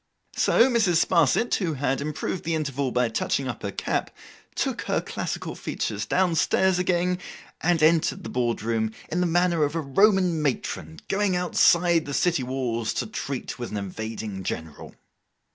So, Mrs. Sparsit, who had improved the interval by touching up her cap, took her classical features down stairs again, and entered the board room in the manner of a Roman matron going outside the city walls to treat with an invading general.